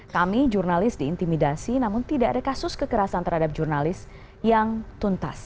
kami jurnalis diintimidasi namun tidak ada kasus kekerasan terhadap jurnalis yang tuntas